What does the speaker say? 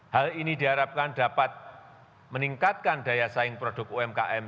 hal ini diharapkan dapat meningkatkan daya saing produk umkm